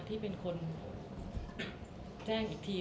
ที่เป็นคนแจ้งอีกที